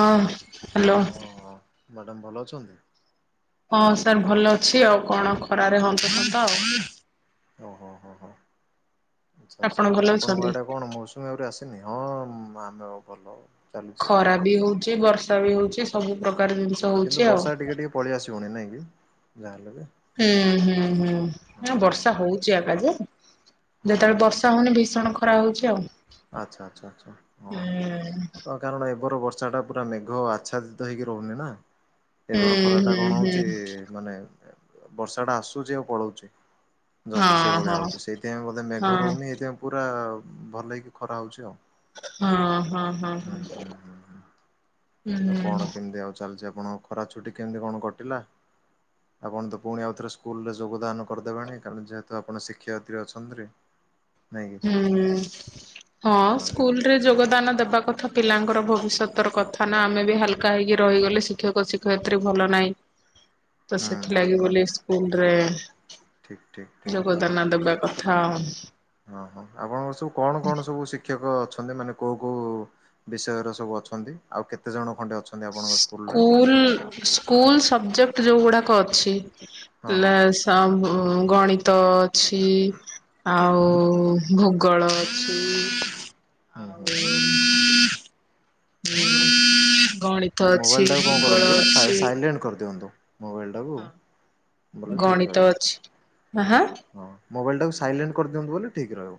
ହଁ, hello. Madam ଭଲ ଅଛନ୍ତି? ହଁ ସାର୍ ଭଲ ଅଛି, ଆଉ କଣ ଖରାରେ ହନ୍ତସନ୍ତ ଆଉ। ଓହୋ, ହୋ, ହୋ ଆଚ୍ଛା, ଆପଣ ଆଚ୍ଛା ଭଲ ଆପଣଙ୍କ ଅଛନ୍ତି? ଆଡେ କଣ ମୌସୁ ସୁମୀ ଆହୁରି ଆସିନି? ହଁ ମା- ଆମେ ଓ ଭଲ। ଚାଲିଛି ଆଉ ଖରା ବି ହଉଛି, ବର୍ଷା ବି ହଉଛି, ସବୁ ପ୍ରକାର ଜିନିଷ ହଉଛି କିନ୍ତୁ ଆଉ। ବର୍ଷା ଟିକେ ଟିକେ ପଳିଆସିବଣି ନାଇଁ କି ଯାହା ହେଲେ ବି? ହୁଁ, ହୁଁ, ହୁଁ ନା ହଁ ବର୍ଷା ହଉଚି ଆକା ଯେ, ହଁ ହଁ ଯେତେବେଳେ ବର୍ଷା ଷା ମାନେ ଭୀଷଣ ଖରା ହଉଛି ଆଉ। ଆଚ୍ଛା, ଆଚ୍ଛା, ଆଚ୍ଛା ହୁଁ ହଁ, ହଁ କ କାରଣ ଏବର ବର୍ଷା ଟା ପୁରା ମେଘ ଆଚ୍ଛାଦିତ ହେଇକି ରହୁନି ନ। ହୁଁ ଏବର ଖରା ଟା ହୁଁ କଣ ହୁଁ ହଉଛି ମାନେ ବର୍ଷା ଟା ଆସୁଛି ଆଉ ପଳଉଛି। ଜଷ୍ଟ ହଁ ସେଇ ଭଳିଆ ହଁ। ହଉଛୁ, ସେଇଥିପାଇଁ ବୋଧେ ହଁ ମେଘ ରହୁନି ଏଇଥିପାଇଁ ପୁରା ଭଲ କି ଖରା ହଉଛି ଆଉ। ହଁ, ହଁ, ହଁ, ହୁଁ ହଁ। ହୁଁ ହୁଁ ହୁଁ। ଆଉ କଣ କେମିତି ଆଉ ଚାଲିଛି, ଆପଣଙ୍କ ଖରା ଛୁଟି କେମିତି କଣ କଟିଲା? ଆପଣ ତ ପୁଣି ଆଉଥରେ ସ୍କୁଲ୍ ରେ ଯୋଗଦାନ କରିଦେବେଣି, କାରଣ ଯେହେତୁ ଆପଣ ଶିକ୍ଷୟତ୍ରୀ ଅଛନ୍ତ୍ରି। [inaudible] ହୁଁ, ହୁଁ, ହଁ ସ୍କୁଲ୍ ରେ ଯୋଗଦାନ ଦେବା କଥା ପିଲାଙ୍କର ଭବିଷ୍ୟତର କଥା ନା। ଆମେ ବି ହାଲକା ହେଇକି ରହିଗଲେ ଶି ଶିକ୍ଷକ ଶିକ୍ଷତ୍ରୀ ଭଲ ନାହିଁ, ତ ହୁଁ ଠିକ୍ ସେଥିଲାଗି ବୋଲି କହିଲେ ସ୍କୁଲ୍ ରେ ଠିକ୍ ଠିକ୍ ଠିକ୍ କହିଲେ। ଯୋଗଦାନ ଦେବା କଥା ଆମ୍। ହଁ, ହଁ ଆପଣଙ୍କର ସବୁ କଣ କଣ ସବୁ ଶିକ୍ଷକ ଅଛନ୍ତି? ମାନେ କୋଉ କୋଉ ବିଷୟରେ ସବୁ ଅଛନ୍ତି? ଆଉ କେତେ ଜଣ ଖଣ୍ଡେ ଅଛ ସ୍କୁୂଲ୍ ସ୍କୁଲ୍ ସବଜେକ୍ଟ ଯୋଉ ଗୁଡାକ ଅଛି ହଁ ହଁ ଲେ ସ- ଉଁ, ଗଣିତ ତ ଅଛି, ଆଉ ଭୂଗୋଳ ଅଛି। ହୁଁ ଆଉ ଓ ହଁ, ଗଣିତ ଅଛି ମୋବାଇଲ୍ ଟା କଣ ଭୂଗୋଳ କରନ୍ତୁ ସାଇ ଅଛି ସାଇଲେଣ୍ଟ କରିଦିଅନ୍ତୁ। ମୋବାଇଲ୍ ତାକୁ ହଁ ବୋଲେ ଠିକ ଗଣିତ ରହିବ ଅଛି ହଁ। ମୋବାଇଲ୍ ଟା କୁ ସାଇଲେଣ୍ଟ କରିଦିଅନ୍ତୁ ବୋଲି ଠିକ ରହିବ।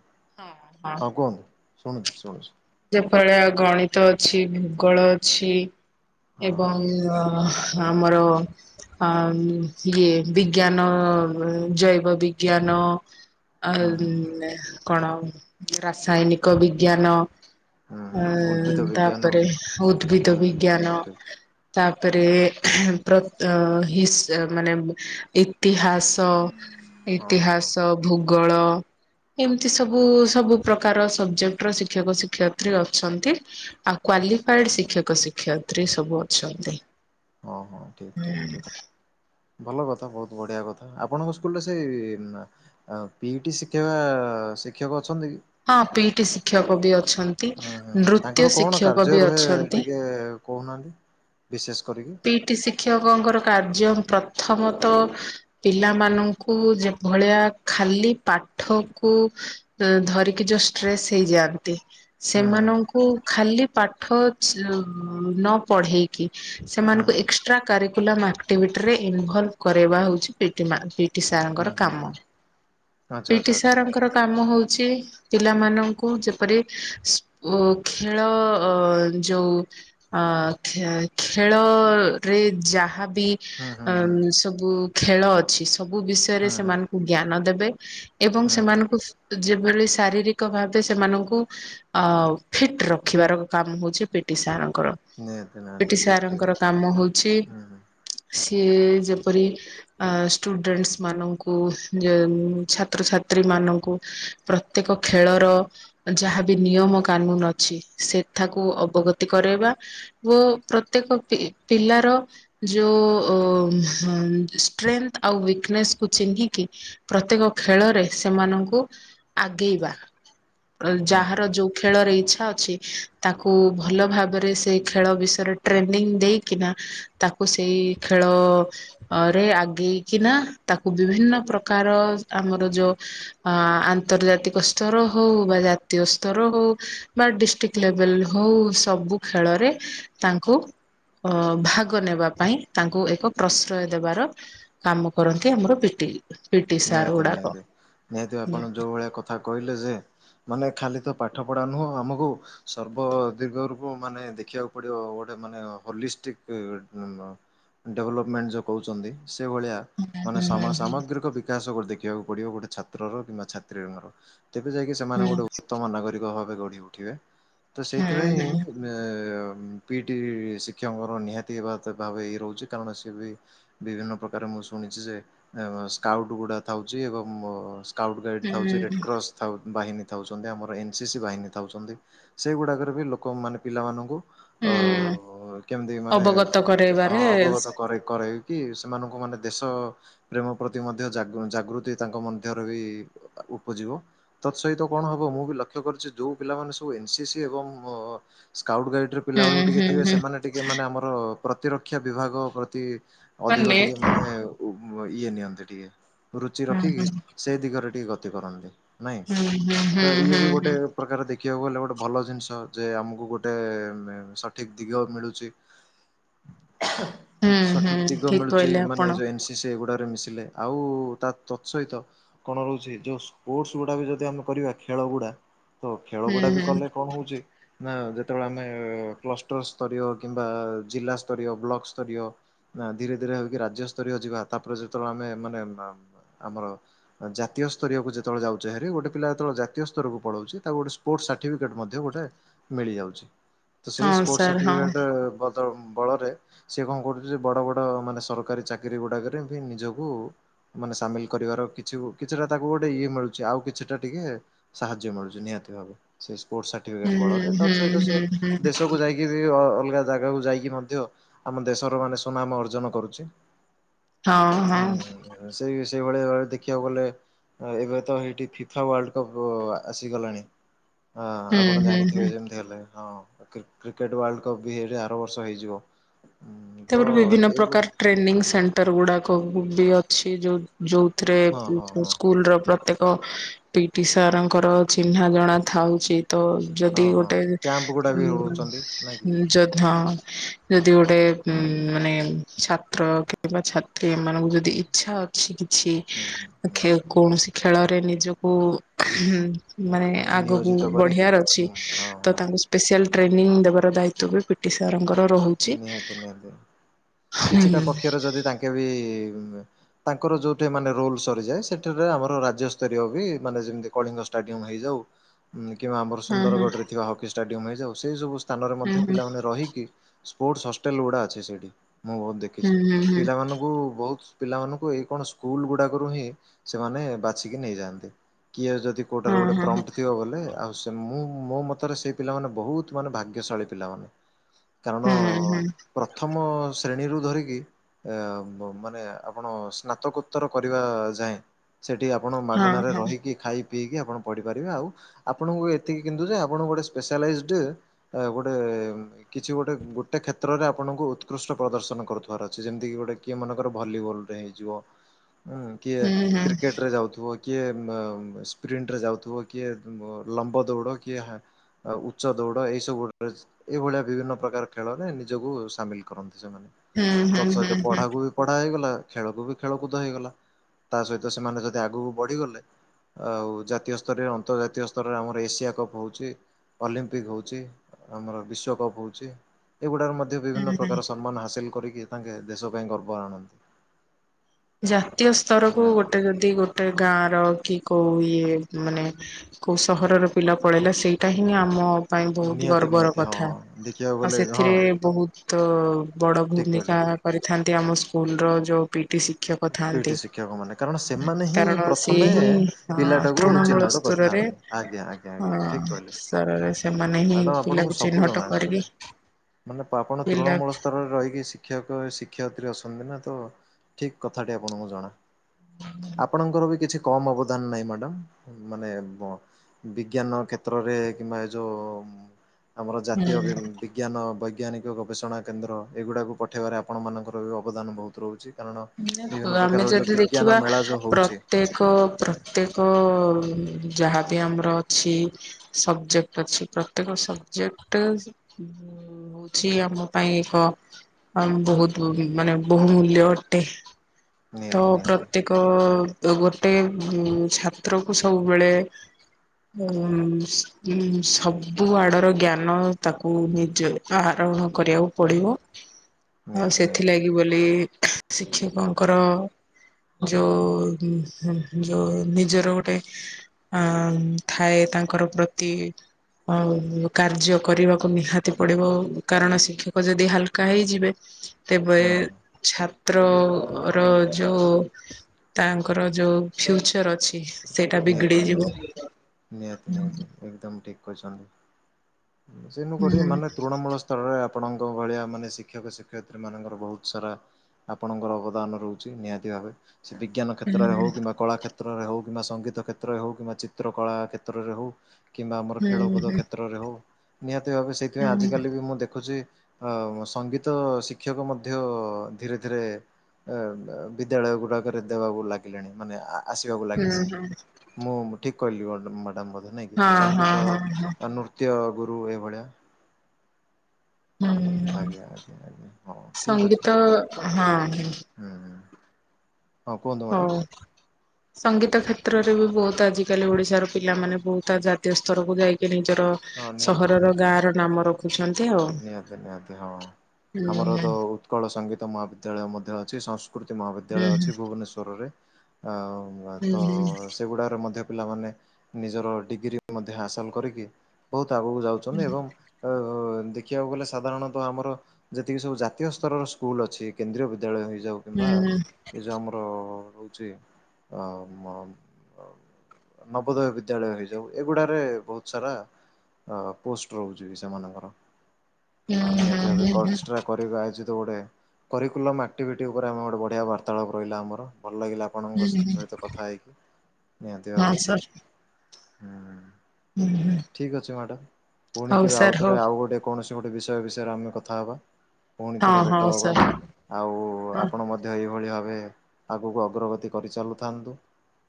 ହଁ କୁହନ୍ତୁ ଶୁଣୁଛି ଶୁଣୁଛି। ଯେଫଳେ ଗଣିତ ଅଛି ଭୂଗୋଳ ଅଛି ହଁ ଏବଂ ଅ, ଆମର ଆ, ଉଁ, ଇଏ ବିଜ୍ଞାନ, ଜୈବ ବିଜ୍ଞାନ। ଆଉ ହଁ ହୁଁ ହୁଁ ନେ-କଣ ଇଏ ରାସାୟନିକ ବିଜ୍ଞାନ। ହୁଁ ଅ, ହୁଁ ଉଦ୍ଭିଦ ବିଜ୍ଞାନ ତାପରେ ଉଦ୍ଭିଦ ହୁଁ ଠିକ୍ ବିଜ୍ଞାନ। ଠିକ୍ ତାପରେ ପ୍ର ଅଁ, ହିସ୍ ଏ ମାନେ ଇତିହା ସ ହଁ ହଁ ହଁ ଇତିହାସ ଭୂଗଳ ଏମତି ସବୁ ସବୁ ପ୍ରକାର ସବଜେକ୍ଟର ଶିକ୍ଷକ ଶିକ୍ଷୟ ତ୍ରି ଅଛନ୍ତି ଆଉ କ୍ଵାଲିଫାଏଡ ଶିକ୍ଷକ ଶିକ୍ଷୟତ୍ରୀ ସବୁ ଅଛନ୍ତି। ଓହୋ ଠିକ ଠିକ ଠିକ। ଭଲ କଥା ବୋହୁତ ବଢିଆ କଥା ଆପଣଙ୍କ ସ୍କୁଲରେ ସେଇ ନା ଆଉ ପି ଟି ଶିଖେଇବା ଶିକ୍ଷକ ଅଛନ୍ତି କି? ହଁ ପି ଟି ଶିକ୍ଷକ ବି ଅଛନ୍ ହୁଁ ହୁଁ ହୁଁ ତାଙ୍କର କଣ କାର୍ଯ୍ୟ ରୁହେ ଅଛନ୍ତି। ଟିକେ କୋହୁନାହାନ୍ତି ବିଶେଷ କରିକି। ପି ଟି ଶିକ୍ଷକଙ୍କର କାର୍ଯ୍ୟ ପ୍ରଥମତ ପିଲାମାନଙ୍କୁ ଯେଭଳିଆ ଖାଲି ପାଠକୁ ଉ ଧରିକି ଯୋଉ ଷ୍ଟ୍ରେସ୍ ହେଇଯାଆନ୍ତି ହୁଁ ହୁଁ ସେମାନଙ୍କୁ ଖାଲି ପାଠ ଚ୍ ନ ପଢେଇକି ହୁଁ ସେମାନଙ୍କୁ ହୁଁ ଏକ୍ସଟ୍ରା କାରିକୁଲମ୍ ଆକ୍ଟିଭିଟିରେ ଇନଭଲଭ୍ କରେଇବା ହୋଉଚି ପି ଟି ମା ପି ଟି ହୁଁ ସାରଙ୍କର ହୁଁ କାମ ହୁଁ ଆଚ୍ଛା ପି ଆଚ୍ଛା ଟି ଆଚ୍ଛା ସାରଙ୍କର କାମ ହୋଉଚି ପିଲାମାନଙ୍କୁ ଯେପରି ସ୍ ଖେଳ ଅ ଯୋଉ ଅ ଖେ ଖେଳରେ ଯାହାବି ହୁଁ ହୁଁ। ହୁଁ ଅମ୍ ସବୁ ଖେଳ ଅଛି ସବୁ ବିଷୟରେ ହୁଁ ହୁଁ ସେମାନଙ୍କୁ ଜ୍ଞାନ ଦେବେ ଏବଂ ହୁଁ ହୁଁ ସେମାନଙ୍କୁ ଯେଭଳି ଶାରୀରିକ ଭାବେ ସେମାନଙ୍କୁ ଅ ଫିଟ୍ ରଖିବାର କାମ ହୋଉଚି ପି ଟି ସାରଙ୍କର। ନିହାତି ନିହା ପି ଟି ସାରଙ୍କର କାମ ହୋଉଛି ସିଏ ଯେପରି ଅ ଷ୍ଟୁଡେଣ୍ଟମାନଙ୍କୁ ଯେଉଁ ଛାତ୍ରଛାତ୍ରୀ ମାନଙ୍କୁ ପ୍ରତ୍ୟେକ ଖେଳର ଯାହାବି ନିୟମ କାନୁନ ଅଛି ସେଠାକୁ ଅବଗତି କରାଇବା ଓ ପ୍ରତ୍ୟେକ ପି-ପିଲାର ଯୋଉ ଉ ହଁ ଷ୍ଟ୍ରେନଥ୍ ଆଉ ୱିକନେସକୁ ଚିହ୍ନିକି ପ୍ରତ୍ୟେକ ଖେଳରେ ସେମାନଙ୍କୁ ଆଗେଇବା। ଅ ହୁଁ ହୁଁ ଯାହାର ଯୋଉ ଖେଳର ଇଚ୍ଛା ଅଛି ତାକୁ ଭଲ ଭାବରେ ସେ ଖେଳ ବିଷୟରେ ଟ୍ରେନିଂ ଦେଇକିନା ତାକୁ ସେଇ ଖେଳ ଅରେ ଆଗେଇକିନା ତାକୁ ବିଭିନ୍ନ ପ୍ରକାର ଆମର ଯୋଉ ଅ ଆନ୍ତର୍ଜାତିକ ସ୍ତର ହୋଉ ବା ଜାତୀୟ ସ୍ତର ହୋଉ ବା ଡିଷ୍ଟି କ ଲେବେଲ୍ ହୋଉ ସବୁ ଖେଳରେ ତାଙ୍କୁ ଅ ଭାଗ ନେବା ପାଇଁ ତାଙ୍କୁ ଏକ ପ୍ରଶ୍ରୟ ଦେବାର କାମ କରନ୍ତି ଆମର ପି ଟି। ନିହାତି ନିହାତି ନିହାତି ଭାବେ ହୁଁ ଆପଣ ଯୋଉ ଭଳିଆ କଥା କହିଲେ ଯେ ମାନେ ଖାଲି ତ ପାଠପଢ଼ା ନୁହଁ ଆମକୁ ସର୍ବ ଦିଗ ରକୁ ମାନେ ଦେଖିବାକୁ ପଡିବ ଗୋଟେ ମାନେ ହଲିଷ୍ଟିକ୍ ଉଁ ଡେଭଲପମେଣ୍ଟ ଯୋଉ କୋହୁଚନ୍ତି ସେଭଳିଆ ମାନେ ହୁଁ ହୁଁ ହୁଁ ସମସାମଗ୍ରିକ ବିକାଶ ଗୋଟେ ଦେଖିବାକୁ ପଡିବ ଗୋଟେ ଛାତ୍ରର କିମ୍ବା ଛାତ୍ରୀର ଙ୍କର। ତେବେ ଯାଇକି ସେମାନେ ଗୋଟେ ଉତ୍ତମ ନାଗରିକ ଭାବେ ଗଢି ଉଠିବେ ତ ହୁଁ ସେଇଥିପାଇଁ ହୁଁ ଏ ପି ଟି ଶିକ୍ଷକଙ୍କର ନିହାତି ହେବା ଗତ ଭାବେ ଇଏ ରହୁଚି କାରଣ ସିଏ ବି ବିଭିନ୍ନ ପ୍ରକାର ମୁଁ ଶୁଣିଚି ଯେ ଏମ ସ୍କାଉଟ୍ ଗୁଡା ଥାଉଚି ଏବଂ ମ୍ ସ୍କାଉଟ୍ ଗାଇଡ୍ ହୁଁ ଥାଉଚି ରେଡ୍ କ୍ରସ୍ ଥାଉ ବାହିନୀ ଥାଉଚନ୍ତି ଆମର ଏନ୍ ସି ସି ବାହିନୀ ଥାଉଚନ୍ତି ସେଗୁଡ଼ାକରେ ବି ଲୋକମାନେ ପିଲାମାନଙ୍କୁ ହୁଁ ଅ କେମିତି ମାନେ ଅବଗତ ଚା କରେଇବାରେ ହଁ ଅବଗତ କଇରେ କରେଇ କି ସେମାନଙ୍କୁ ମାନେ ଦେଶ ପ୍ରେମ ପ୍ରତି ମ ଧ୍ୟ ଜାଗ ଅଁ ଜାଗୃତି ତାଙ୍କ ମଧ୍ୟରେ ବି ଉପୁଜିବ। ତତ୍ ସହିତ କଣ ହବ ମୁଁ ବି ଲକ୍ଷ୍ୟ କରିଚି ଯୋଉ ପିଲାମାନେ ସବୁ ଏନ୍ ସି ସି ଏବଂ ସ୍କାଉଟ୍ ଗାଇଡରେ ହୁଁ ପିଲାବେଳୁ ଟିକେ ହୁଁ ଥିବେ ହୁଁ ସେମାନେ ଟିକେ ମାନେ ଆମର ପ୍ରତି ରକ୍ଷା ବିଭାଗ ପ୍ରତି ଅଧିକ ଟିକେ ମାନେ ଉ ଇଏ ନିଅନ୍ତି ଟିକେ। ରୁଚି ହୁଁ ରଖିକି ସେ ଦିଗରେ ଟିକେ ଗତି କରନ୍ତି ନାଇଁ ହୁଁ ହୁଁ ହୁଁ ତ ଇଏ ହୁଁ ବି ଗୋଟେ ହୁଁ ପ୍ରକାର ଦେଖିବାକୁ ଗଲେ ଗୋଟେ ଭଲ ଜିନିଷ ଯେ ଆମକୁ ଗୋଟେ ସଠିକ୍ ଦିଗ ମିଳୁଛି। ହୁଁ ହୁଁ ସଠିକ୍ ଦିଗ ଠିକ ମିଳୁଛି କହିଲେ ମାନେ ଏ ଆପଣ ଯୋଉ ଏନ୍ ସି ସି ଏଗୁଡ଼ାରେ ମିଶିଲେ। ଆଉ ତା ତତ୍ ସହିତ କଣ ରହୁଛି ଯୋଉ ସ୍ପୋର୍ଟସ ଗୁଡ଼ା ବି ଯଦି ଆମେ କରିବା ଖେଳ ଗୁଡ଼ା ତ ଖେଳ ହୁଁ ଗୁଡ଼ା ବି ହୁଁ କଲେ କଣ ହୋଉଚି ନା ଯେତେବେଳେ ଆମେ କ୍ଲଷ୍ଟର୍ ସ୍ତରୀୟ କିମ୍ବା ଜିଲ୍ଲା ସ୍ତରୀୟ ବ୍ଲକ ସ୍ତରୀୟ ନା ଧୀରେ ଧୀରେ ହେଇକି ରାଜ୍ୟ ସ୍ତରୀୟ ଯିବା ତାପରେ ଯେତେବେଳେ ଆମେ ମାନେ ମାମ୍ ଆମର ଜାତୀୟ ସ୍ତରୀୟକୁ ଯେତେବେଳେ ଯାଉଛି ବାହାରି ଗୋଟେ ପିଲା ତ ଜାତୀୟ ସ୍ତରକୁ ପଳାଉଛି ତାକୁ ଗୋଟେ ସୁ ପୋର୍ଟ ସାଠିଫିକେଟ୍ ମଧ୍ଯ ଗୋଟେ ମିଳି ଯାଉଛି। ତ ସେଇ ହଁ ସ୍ପୋର୍ଟ ସାର୍ ହଁ ସାଠିପିକେଟ୍ ବଦ୍ ତ ବଳରେ ସିଏ କଣ କରୁଛି ଯୋଉ ବଡ଼ ବଡ଼ ମାନେ ସରକାରୀ ଚାକିରି ଗୁଡ଼ାକରେ ଏମତି ନିଜକୁ ମାନେ ସାମିଲ୍ କରିବାର କିଛି ଗୁ କିଛିଟା ତାକୁ ଗୋଟେ ଇଏ ମିଳୁଚି ଆଉ କିଛିଟା ଟିକେ ସାହାଯ୍ୟ ମିଳୁଛି ନିହାତି ଭାବେ ସେ ସ୍ପୋର୍ଟ ସାର୍ଟିଫିକେଟ୍ ହୁଁ ବଳରେ ତତ୍ ହୁଁ ସହିତ ହୁଁ ସେ ହୁଁ ଦେଶ କୁୁ ଯାଇକି ବି ଅ ଅଲଗା ଜାଗାକୁ ଯାଇକି ମଧ୍ୟ ଆମ ଦେଶର ମାନେ ସୁନାମ ଅର୍ଜନ କରୁଛି। ହଁ ହଁ। ଆଁ ସେଇ ସେଇ ଭଳିଆ ଦେଖିବାକୁ ଗଲେ ଅ ଏବେ ତ ହେଇଠି ଫିଫା ୱାର୍ଲଡ୍ କପ୍ ଆସିଗଲାଣି। ହଁ ହୁଁ ଆପଣ ହୁଁ ଜାଣିଥିବେ ହୁଁ ଯେମିତି ହେଲେ ହଁ କ୍ରିକ୍ କ୍ରିକେଟ୍ ୱାର୍ଲଡ୍ କପ୍ ବି ହେଇଠି ଆର ବର୍ଷ ହେଇଯିବ। ହୁଁ ତ ତାପରେ ବିଭିନ୍ନ ଏଗୁ ପ୍ରକାର ଟ୍ରେ ନିଙ୍ଗ ସେଣ୍ଟର ଗୁଡ଼ାକ ବି ଅଛି ଯୋଉ ଯୋଉଥିରେ ହଁ ହଁ ହଁ ସ୍କୁଲର ପ୍ରତ୍ୟେକ୍ କ ପିଇଟି ସାରଙ୍କର ଚିହ୍ନା ଜଣା ଥାଉଛି ତ ହଁ ଯଦି ହଁ ଗୋଟେ କ୍ୟାମ୍ପ ଗୁଡା ବି ହୁଁ ହଉଛନ୍ତି ନାଇଁ କି? ହୁଁ ଯଦ୍ ହଁ ଯଦି ଗୋଟେ ଉଁ ମାନେ ଛାତ୍ର କିମ୍ବା ଛାତ୍ରୀ ଏମାନଙ୍କୁ ଯଦି ଇଚ୍ଛା ଅଛି କିଛି ହୁଁ। ଆ ହୁଁ ଖେ କୌଣସି ଖେଳରେ ନିଜକୁ ମାନେ ଆଗକୁ ନିୟୋଜିତ କରିକି ବଢ଼ିବାର ଅଛି ହୁଁ ହଁ ତ ହଁ ତାଙ୍କୁ ସ୍ପେସିଆଲ୍ ଟ୍ରେନିଂ ଦେବାର ଦାୟିତ୍ୱ ବି ପିଟି ସାରଙ୍କର। ରହୁଛି। ନିହାତି ନିହାତି ହୁଁ କିଛିଟା ହୁଁ ପକ୍ଷରେ ଯଦି ତାଙ୍କେ ବି ତାଙ୍କର ଯୋଉଠି ଏମାନେ ରୋଲ୍ ସରିଯାଏ ସେଠାରେ ଆମର ରାଜ୍ୟ ସ୍ତରୀୟ ବି ମାନେ ଯେମତି କଳିଙ୍ଗ ଷ୍ଟାଡିୟମ୍ ହେଇ ଯାଉ କିମ୍ବା ଆମର ହଁ ହଁ ସୁନ୍ଦରଗଡ଼ରେ ଥିବା ହକି ଷ୍ଟାଡିୟମ୍ ହେଇଯାଉ ସେଇ ସବୁ ସ୍ଥାନରେ ମଧ୍ୟ ହୁଁ ପିଲାମାନେ ରହିକି ସ୍ପୋର୍ଟସ ହଷ୍ଟେଲ୍ ଗୁଡ଼ା ଅଛି ସେଇଠି ମୁଁ ବହୁତ୍ ଦେଖିଛି ହୁଁ ହୁଁ ପିଲାମାନଙ୍କୁ ବହୁତ୍ ପିଲାମାନଙ୍କୁ ଏଇ କଣ ସ୍କୁଲ୍ ଗୁଡ଼ାକରୁ ହିଁ ସେମାନେ ବାଛିକି ନେଇ ଯାଆନ୍ତି କିଏ ଯଦି କେଉଟାରେ ହୁଁ ଗୋଟେ ହୁଁ ହଁ ହଁ ପ୍ରମ୍ପଟ୍ ଥିବ ବଲେ ଆଉ ସେ ତ ମୁଁ ମୋ ମତରେ ସେଇ ପିଲାମାନେ ବହୁତ୍ ମାନେ ଭାଗ୍ୟଶାଳୀ ପିଲାମାନେ। କାରଣ ହଁ ହୁଁ ପ୍ରଥମ ଶ୍ରେଣୀରୁୁ ଧରିକି ଏ ମ ମାନେ ଆପଣ ସ୍ନାତ କୋତ୍ତର କରିବା ଯାଏଁ। ସେଇଠି ଆପଣ ହୁଁ ହଁ ହଁ ମାଗଣାରେ ରହିକି ଖାଇ ପିଇକି ଆପଣ ପଢ଼ି ପାରିବେ ଆଉ ଆପଣଙ୍କୁ ଏତିକି କିନ୍ତୁ ଯେ ଆପଣ ଗୋଟେ ସ୍ପେସିଆଲାଇସ୍ଡ୍ ଏ ଗୋଟେ କିଛି ଗୋଟେ ଗୋଟେ କ୍ଷେତ୍ରରେ ଆପଣଙ୍କୁ ଉତ୍କୃଷ୍ଟ ପ୍ରଦର୍ଶନ କରୁ ଥିବାର ଅଛି ଯେମିତିକି ଗୋଟେ କିଏ ମାନେ କର ଭଲିବଲ୍ ରେ ହେଇଯିବ ହୁଁ କିଏ ହୁଁ ହୁଁ ହୁଁ କ୍ରିକେଟ ରେ ଯାଉଥିବ କିଏ ମ ସ୍ପ୍ରିଣ୍ଟରେ ଯାଉଥିବ କିଏ ଲମ୍ବ ଦୌଡ଼ କିଏ ହା ଆ ଉଚ୍ଚ ଦୌଡ ଏଇ ସବୁ ରେ ଏଇଭଳିଆ ବିଭିନ୍ନ ପ୍ରକାର ଖେଳରେ ନିଜକୁ ସାମିଲ କରନ୍ତି ସେମାନେ ହୁଁ ତତ୍ ସହିତ ହୁଁ ପଢାକୁ ବି ପଢା ହେଇଗଲା ଖେଳକୁ ବି ଖେଳକୁଦ ହେଇଗଲା ତା ସହିତ ସେମାନେ ଯଦି ଆଗକୁ ବଢିଗଲେ ଆଉ ଜାତୀୟ ସ୍ତରରେ ଅନ୍ତର୍ଜାତୀୟ ସ୍ତରରେ ଆମର ଏସିଆ କପ୍ ହଉଛି ଅଲିମ୍ପିକ ହଉଛି ଆମର ବିଶ୍ୱକପ୍ ହଉଛି ଏଗୁଡ଼ାକ ମଧ୍ୟ ବିଭିନ୍ନ ହୁଁ ହୁଁ ପ୍ରକାର ସମ୍ମାନ ହାସିଲ କରିକି ତାଙ୍କେ ଦେଶ ପାଇଁ ଗର୍ବ ଆଣନ୍ତି। ଜାତୀୟ ସ୍ତରକୁ ନିହାତି ଗୋଟେ ଯଦି ଗୋଟେ ଗାଁ ର କି କୋଉ ଇଏ ମାନେ କୋଉ ସହରର ପିଲା ପଳେଇଲା ସେଇଟା ହିଁ ଆମ ପାଇଁ ବହୁତ ନିହାତି ଗର୍ବର ନିହାତି ହଁ କଥା ଦେଖିବାକୁ ଆଉ ଗଲେ ହଁ ସେଥିରେ ବହୁତ ବଡ଼ ଠିକ କହିଲ। ଭୂମିକା କରିଥାନ୍ତି ଆମ ସ୍କୁଲ ର ଯୋଉ ପି ପିଟି ଶିକ୍ଷକ ଥାନ୍ତି ପିଟି ଶିକ୍ଷକ ମାନେ କାରଣ ସେମାନେ ହିଁ କାରଣ ସିଏ ପ୍ରଥମେ ହିଁ ପିଲାଟାକୁ ତୃଣମୂଳ ଚିହ୍ନଟ ସ୍ତରରେ କରିଥାନ୍ତି ଆଜ୍ଞା ଆଜ୍ଞା ହ ଆଜ୍ଞା ଠିକ କହିଲେ ସ୍ତରରେ ସେମାନେ ହିଁ ମ୍ୟାଡ଼ାମ ଆପଣଙ୍କୁ ପିଲାକୁ ସବୁ ଜଣା ଚିହ୍ନଟ ଆକ୍ଚୁଆଲି। କରିବେ ମାନେ ପାପଣ ତୃଣମୂଳ ସ୍ତରରେ ରହିିକି ଶି ଶିକ୍ଷକ ଶିକ୍ଷୟିତ୍ରୀ ଅଛନ୍ତି ନା ତ ଠିକ୍ କଥାଟି ଆପଣଙ୍କୁ ଜଣା। ଆପଣଙ୍କର ବି କିଛି କମ୍ ଅବଦାନ ନାହିଁ ମ୍ୟାଡମ ମାନେ‌ ବିଜ୍ଞାନ କ୍ଷେତ୍ରରେ କିମ୍ବା ଯୋଉ ଯୋଉ ଆମର ଜାତୀୟ ହୁଁ ବି ବିଜ୍ଞାନ ବୈଜ୍ଞାନିକ ଗବେଷଣା କେନ୍ଦ୍ର ଏଗୁଡ଼ାକୁ ପଠାଇବାରେ ଆପଣମାନଙ୍କର ବି ଅବଦାନ ବହୁତ ରହୁଛି। କାରଣ ବିଭିନ୍ନ ଆମେ ପ୍ରକାରର ଯୋଉ ଯଦି ବିଜ୍ଞାନ ଦେଖିବା ମେଳା ଯୋଉ ହଉଛି ପ୍ରତ୍ୟେକ ପ୍ର ପ୍ରତ୍ୟେକ ଯାହାବି ଆମର ଅଛି ସବଜେକ୍ଟ ଅଛି ପ୍ରତ୍ୟେକ ସବଜେକ୍ଟ୍ ହଉଛି ଆମ ପାଇଁ ଏକ ବହୁତ ମାନେ ବହୁମୂଲ୍ୟ ଅ ଟେ। ତ ନିହାତି ନିହାତି ପ୍ରତ୍ୟେକ ଗୋଟେ ଉ ଛାତ୍ର କୁ ସବୁବେଳେ ଉଁ ଉଁ ସବୁ ଆଡର ଜ୍ଞାନ ତାକୁ ନିଜେ ଆହାରୋହଣ କରିବାକୁ ପଡିବ। [inaudible] ଆଉ ନିହାତି ସେଥିଲାଗି ବୋଲି ଶିକ୍ଷକଙ୍କର ଯୋଉ ଯୋଉ ନିଜର ଗୋଟେ ଆଁ ଥାଏ ତାଙ୍କର ପ୍ରତି ଆଉ କାର୍ଯ୍ୟ କରିବାକୁ ନିହାତି ପଡିବ କାରଣ ଶିକ୍ଷକ ଯଦି ହାଲକା ହେଇଯିବେ। ତେବେ ହୁଁ ଛାତ୍ର ମୋର ଯୋଉ ତାଙ୍କର ଯୋଉ ଫ୍ୟୁଚର ଅଛି। ସେଇଟା ନିହାତି ବିଗିଡି ଯିବ। ନିହାତି ନିହାତି ନିହାତି ଏକଦମ ଠିକ୍ କହିଛନ୍ତି ସେନୁ ହୁଁ କରି ମାନେ ତୃଣମୂଳ ସ୍ତରରେ ଆପଣଙ୍କ ଭଳିଆ ମାନେ ଶିକ୍ଷକ ଶିକ୍ଷୟତ୍ରୀ ମାନଙ୍କର ବହୁତ ସାରା ଆପଣଙ୍କର ଅବଦାନ ରହୁଛି ନିହାତି ଭାବେ ସେ ବିଜ୍ଞାନ ହୁଁ କ୍ଷେତ୍ରରେ ହେଉ କିମ୍ବା କଳା କ୍ଷେତ୍ରରେ ହେଉ କିମ୍ବା ସଙ୍ଗୀ ଗିତ କ୍ଷେତ୍ରରେ ହଉ କିମ୍ବା ଚିତ୍ର କଳା କ୍ଷେତ୍ରରେ ହଉ କିମ୍ବା ଆମର ହୁଁ ଖେଳ କୁଦ ହୁଁ କ୍ଷେତ୍ରରେ ହଉ। ନିହାତି ଭାବେ ସେଇଥିପାଇଁ ହୁଁ ଆଜିିକାଲି ବି ମୁଁ ଦେଖୁଛି ଆ ସଙ୍ଗୀତ ଶିକ୍ଷକ ମଧ୍ୟ ଧୀରେ ଧୀରେ ଏ ବିଦ୍ୟାଳୟ ଗୁଡାକରେ ଦେବାକୁ ଲାଗିଲେଣି ମାନେ ଆସିବାକୁ ଲାଗିଲେଣି। ହୁଁ ମୁଁ ଠିକ୍ କହିଲି ମ୍ୟାଡାମ ବୋଧେ ନାଇଁ କି ହଁ ହଁ ସଙ୍ଗୀତ ହଁ ହଁ ନୃତ୍ୟ ଗୁରୁ ଏଇଭଳିଆ। ହୁଁ ଆଜ୍ଞା ଆଜ୍ଞା ଆଜ୍ଞା ହଁ ଠିକ ଅଛି ସଙ୍ଗୀତ ହଁ ହୁଁ। ହଁ କୁହନ୍ତୁ ମ୍ୟାଡ଼ାମ୍ ହଉ। ସଙ୍ଗୀତ କ୍ଷେତ୍ରରେ ବି ବହୁତ ଆଜିକାଲି ଓଡିଶାର ପିଲାମାନେ ବହୁତ ଜାତୀୟ ସ୍ତରକୁ ଯାଇକି ନିଜର ହଁ ନିହାତି ସହରର ଗାଁ ନିହାତି ର ନାମ ରଖୁଛନ୍ତି ଆଉ। ନିହାତି ନିହାତି ହଁ ହୁଁ ହୁଁ ଆମର ତ ଉତ୍କଳ ସଙ୍ଗୀତ ମହାବିଦ୍ୟାଳୟ ମଧ୍ୟ ଅଛି ସଂସ୍କୃତି ହୁଁ ମହାବିଦ୍ୟାଳୟ ହୁଁ ଅଛି ଭୁବନେଶ୍ୱରରେ। ଆଉ ହୁଁ ହୁଁ ତ ହୁଁ। ସେଗୁଡ଼ାରେ ମଧ୍ୟ ପିଲାମାନେ ନିଜର ଡିଗ୍ରୀ ମଧ୍ୟ ହାସଲ କରିକି ବହୁତ ଆଗକୁ ଯାଉଛନ୍ତି ଏବଂ ଶିଖିବାକୁ ଗଲେ ସାଧାରଣତଃ ଆମର ଯେତିକି ସବୁ ଜାତୀୟ ସ୍ତରର ସ୍କୁଲ୍ ଅଛି କେନ୍ଦ୍ରୀୟ ବିଦ୍ୟାଳୟ ହେଇଯାଉ ହୁଁ କିମ୍ବା ହୁଁ ହୁଁ ଏ ଯେଉଁ ଆମର ହଉଛି ନବୋଦୟ ବିଦ୍ୟାଳୟ ହେଇଯାଉ ଏଗୁଡ଼ାରେ ବହୁତ ସାରା ଅ ପୋଷ୍ଟ ରହୁଛି ସେମାନଙ୍କର, ନିହାତି ଭାବେ ହୁଁ ହୁଁ କଷ୍ଟ୍ରା କ ଏ ପ୍ରାୟଶ୍ଚିତ ଗୋଟେ କରିକୁଲମ ଏକ୍ଟିଭିଟି ଉପରେ ଆମର ବଢିଆ ବାର୍ତ୍ତାଳାପ ରହିଲା ଆମର ଭଲ ଲାଗିଲା। ଆପଣଙ୍କ ହୁଁ ସହିତ କଥା ହେଇକି ନିହାତି ହଁ ଭାବେ। ସାର୍ ହୁଁ ହୁଁ। ଠିକ୍ ଅଛି ମ୍ୟାଡ଼ାମ ପୁଣି ହଉ କେବେ ସାର୍ ଆଉଥରେ ହଉ। ହଁ ଆଉ ଗୋଟେ କୌଣସି ଗୋଟେ ବିଷୟ ବିଷୟରେ ଆମେ କଥା ହେବା। ପୁଣି ଥରେ ଭେଟ ହଉ ସାର୍ ହେବା ହଁ ଆଉ ହଁ ଆପଣ ମ ମଧ୍ୟ ଏଇଭଳି ଭାବେ ଆଗକୁ ଅଗ୍ରଗତି କରିଚାଲୁଥାନ୍ତୁ।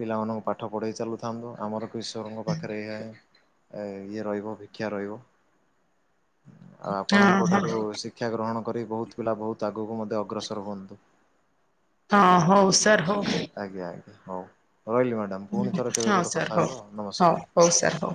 ପିଲାମାନଙ୍କୁ ପାଠ ପଢେଇ ଚାଲୁଥାନ୍ତୁ ଆମର ଇଶ୍ୱରଙ୍କ ପାଖରେ ଏହା ହିଁ ଇଏ ରହିବ ଭିକ୍ଷା ରହିବ। ଆଉ ହଁ ଆପଣଙ୍କଠାରୁ ଶିକ୍ଷା ଗ୍ରହଣ କରି ବହୁତ ପିଲା ବହୁତ ଆଗକୁ ମଧ୍ୟ ଅଗ୍ରସର ହୁଅନ୍ତୁ। ହଁ ହଉ ସାର୍ ହଉ। ଆଜ୍ଞା ଆଜ୍ଞା ହଉ ରହିଲି ମ୍ୟାଡ଼ାମ ପୁଣି ଥରେ କେବେ ହଁ ଗୋଟେ ସାର୍ କଥା ହଉ। ହେବା ହଉ ନମସ୍କାର। ହଉ ସାର୍ ହଉ।